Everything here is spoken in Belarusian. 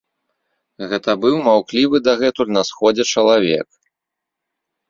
Гэта быў маўклівы дагэтуль на сходзе чалавек.